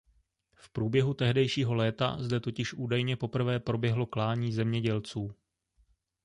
V průběhu tehdejšího léta zde totiž údajně poprvé proběhlo klání zemědělců.